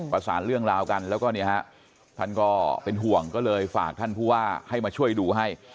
ประสานเรื่องราวกันแล้วก็เนี่ยฮะท่านก็เป็นห่วงก็เลยฝากท่านผู้ว่าให้มาช่วยดูให้